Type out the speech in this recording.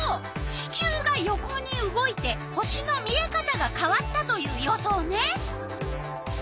地球が横に動いて星の見えかたがかわったという予想ね。